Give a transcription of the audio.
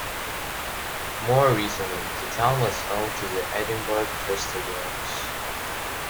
More recently the town was home to the Edinburgh Crystal works.